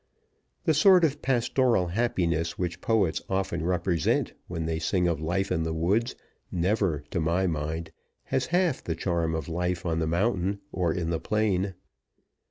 The sort of pastoral happiness which poets often represent when they sing of life in the woods never, to my mind, has half the charm of life on the mountain or in the plain.